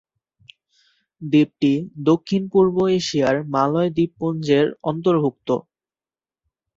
দ্বীপটি দক্ষিণ-পূর্ব এশিয়ার মালয় দ্বীপপুঞ্জের অন্তর্ভুক্ত।